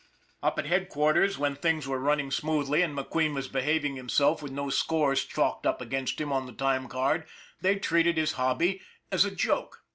Up at headquarters when things were running smoothly and McQueen was behaving himself with no scores chalked up against him on the time card they treated his hobby as a joke.